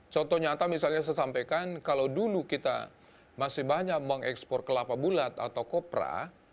contoh nyata misalnya saya sampaikan kalau dulu kita masih banyak mengekspor kelapa bulat atau kopra